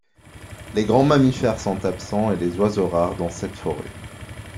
Les grands mammifères sont absents et les oiseaux rares dans cette forêt.